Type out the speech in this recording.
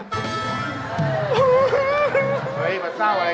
ถ้าเป็นปากถ้าเป็นปาก